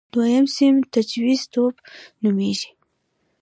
دویم صفت تجویزی توب نومېږي.